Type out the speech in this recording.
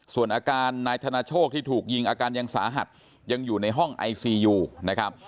ส่วนอาการนายธนโชคที่ถูกยิงอาการยังสาหัสยังอยู่ในห้องไอซียูนะครับ